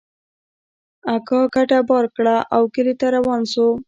اکا کډه بار کړه او کلي ته روان سو.